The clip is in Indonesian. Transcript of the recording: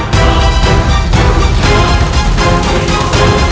tidak apa apa putraku